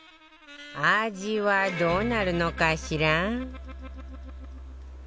味はどうなるのかしら？